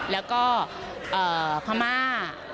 แล้วก็พระมา